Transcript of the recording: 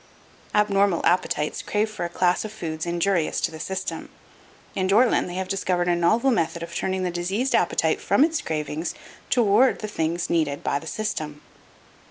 Abnormal appetites crave for a class of foods injurious to the system. In Dore lyn they have discovered a novel method of turning the diseased appetite from its cravings toward the things needed by the system.